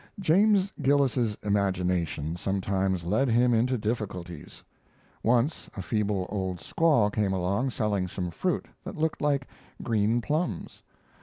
James Gillis's imagination sometimes led him into difficulties. Once a feeble old squaw came along selling some fruit that looked like green plums.